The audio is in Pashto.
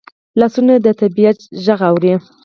لاسونه د طبیعت غږ اوري